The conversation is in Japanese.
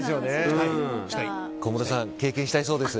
小室さん、経験したいそうです。